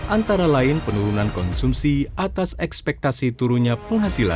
antara lain penurunan konsumsi atas ekspektasi turunnya penghasilan